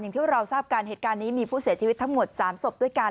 อย่างที่เราทราบกันเหตุการณ์นี้มีผู้เสียชีวิตทั้งหมด๓ศพด้วยกัน